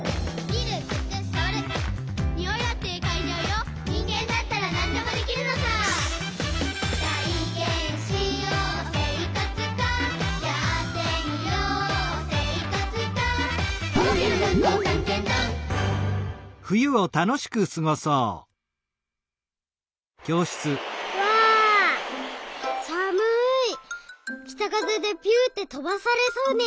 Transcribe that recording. きたかぜでピュってとばされそうになった。